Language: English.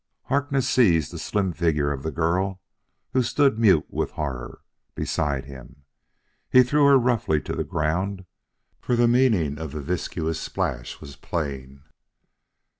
Harkness seized the slim figure of the girl who stood, mute with horror, beside him. He threw her roughly to the ground, for the meaning of the viscous splash was plain.